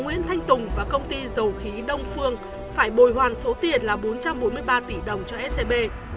nguyễn thanh tùng và công ty dầu khí đông phương phải bồi hoàn số tiền là bốn trăm bốn mươi ba tỷ đồng cho scb